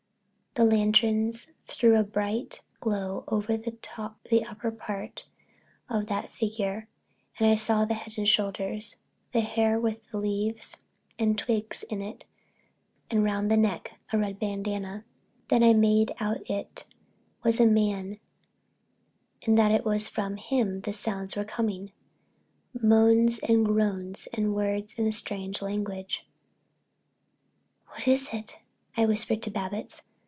The lanterns threw a bright glow over the upper part of that figure, and I saw the head and shoulders, the hair with leaves and twigs in it and round the neck a red bandanna. Then I made out it was a man and that it was from him the sounds were coming—moans and groans and words in a strange language. "What is it?" I whispered to Babbitts.